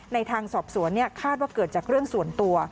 ในทางสอบสวนคาดว่าเกิดจากเรื่องส่วนตัว